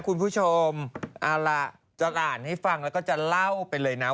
คุณไม่ค่อยเชื่อเรื่องพวกนี้เลยเนอะ